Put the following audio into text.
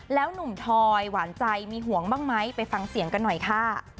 แล้วหนุ่มทอยหวานใจมีห่วงบ้างไหมไปฟังเสียงกันหน่อยค่ะ